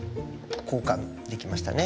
交換できましたね。